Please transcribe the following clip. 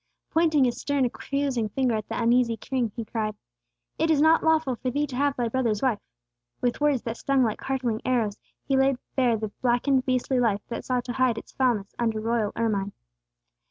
Pointing his stern, accusing finger at the uneasy king, he cried, "It is not lawful for thee to have thy brother's wife!" With words that stung like hurtling arrows, he laid bare the blackened, beastly life that sought to hide its foulness under royal ermine.